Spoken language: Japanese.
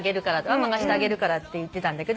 「ママがしてあげるから」って言ってたんだけど。